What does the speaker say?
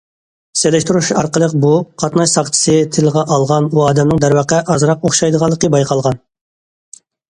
سېلىشتۇرۇش ئارقىلىق بۇ« قاتناش ساقچىسى» تىلغا ئالغان ئۇ ئادەمنىڭ دەرۋەقە ئازراق ئوخشايدىغانلىقى بايقالغان.